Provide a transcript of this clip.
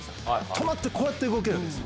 止まって、こうやって動けるんです。